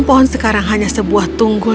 pohon sekarang hanya sebuah tunggul